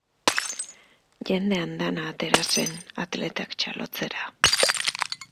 Jende andana atera zen atletak txalotzera.